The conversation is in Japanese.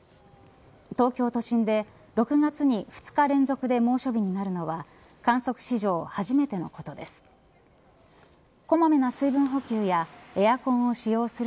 東京都心で６月に２日連続で猛暑日になるのは観測史上初めてのことです。